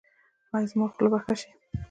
ایا زما خوله به ښه شي؟